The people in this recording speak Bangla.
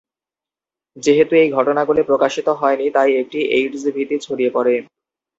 যেহেতু এই ঘটনাগুলি প্রকাশিত হয়নি, তাই একটি এইডস ভীতি ছড়িয়ে পড়ে।